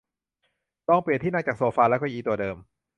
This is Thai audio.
ลองเปลี่ยนที่นั่งจากโซฟาและเก้าอี้ตัวเดิม